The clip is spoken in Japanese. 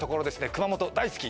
熊本大好き！